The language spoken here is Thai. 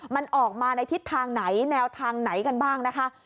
มันออกมาในทิศทางไหนแนวทางไหนกันบ้างนะคะ